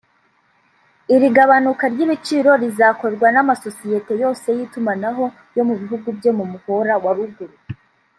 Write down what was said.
Iri gabanuka ry’ibiciro rizakorwa n’amasosiyete yose y’itumanaho yo mu bihugu byo mu muhora wa ruguru